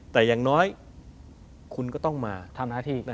แต่อย่างน้อยคุณก็ต้องมาทำหน้าที่อีก